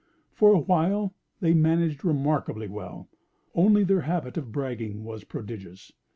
For a while they managed remarkably well; only their habit of bragging was prodigious.